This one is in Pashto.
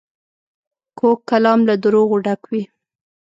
کوږ کلام له دروغو ډک وي